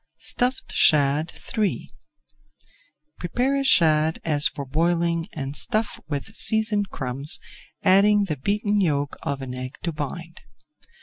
STUFFED SHAD III Prepare a shad as for boiling and stuff with seasoned crumbs, adding the beaten yolk of an egg to bind.